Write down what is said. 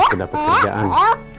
aku dapet kerjaan